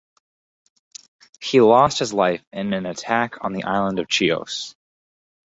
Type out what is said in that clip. He lost his life in an attack on the island of Chios.